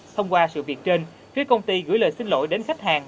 thông qua sự việc trên phía công ty gửi lời xin lỗi đến khách hàng